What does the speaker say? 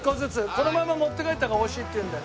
このまま持って帰った方が美味しいっていうんで。